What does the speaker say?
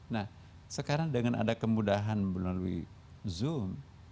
nah sekarang dengan ada kemudahan melalui zoom